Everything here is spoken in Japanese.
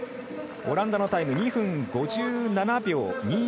オランダのタイム２分５７秒２６。